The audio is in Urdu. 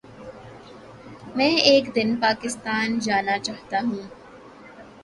میں ایک دن پاکستان جانا چاہتاہوں